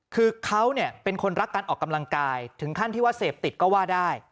คือเขาเป็นคนรักการออกกำลังกายถึงขั้นที่ว่าเสพติดก็ว่าได้